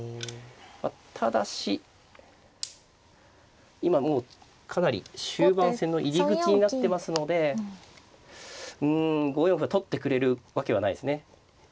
ただし今もうかなり終盤戦の入り口になってますのでうん取ってくれるわけはないですね。